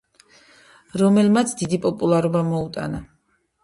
რომელმაც დიდი პოპულარობა მოუტანა.